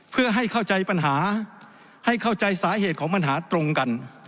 เพื่อให้เข้าใจปัญหาให้เข้าใจสาเหตุของปัญหาตรงกัน